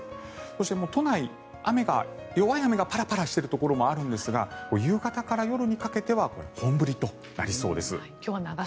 そして、都内、弱い雨がパラパラしているところもあるんですが夕方から夜にかけては本降りとなりそうです。